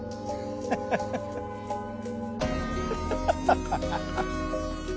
ハハハハハハハ。